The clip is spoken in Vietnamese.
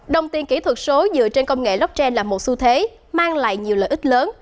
đồng tiền kỹ thuật số dựa trên công nghệ blockchain là một xu thế mang lại nhiều lợi ích lớn